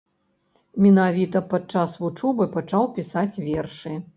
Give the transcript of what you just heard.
Менавіта пад час вучобы пачаў пісаць вершы.